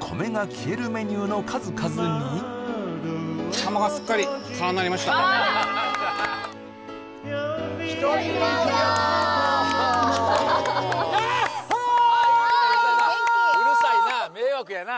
米が消えるメニューの数々にうるさいな迷惑やな